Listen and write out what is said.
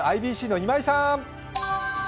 ＩＢＣの今井さん。